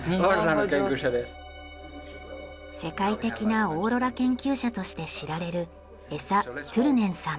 世界的なオーロラ研究者として知られるエサ・トゥルネンさん。